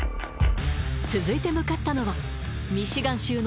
続いて向かったのはミシガン州の